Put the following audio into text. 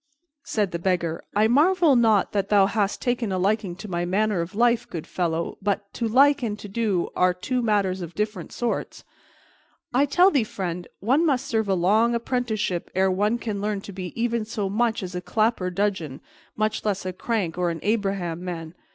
Said the Beggar, "I marvel not that thou hast taken a liking to my manner of life, good fellow, but 'to like' and 'to do' are two matters of different sorts. I tell thee, friend, one must serve a long apprenticeship ere one can learn to be even so much as a clapper dudgeon, much less a crank or an Abraham man.